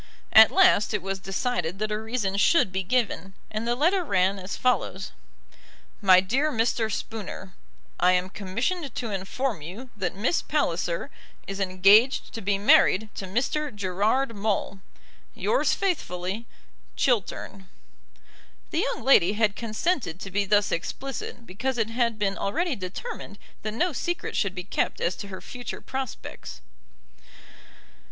At last it was decided that a reason should be given, and the letter ran as follows: MY DEAR MR. SPOONER, I am commissioned to inform you that Miss Palliser is engaged to be married to Mr. Gerard Maule. Yours faithfully, CHILTERN. The young lady had consented to be thus explicit because it had been already determined that no secret should be kept as to her future prospects.